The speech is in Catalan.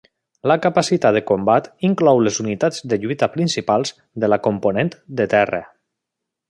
La capacitat de combat inclou les unitats de lluita principals de la Component de Terra.